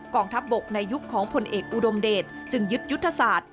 กองทัพบกในยุคของผลเอกอุดมเดชจึงยึดยุทธศาสตร์